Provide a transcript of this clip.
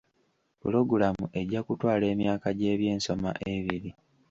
Puloogulaamu ejja kutwala emyaka gy'ebyensoma ebiri.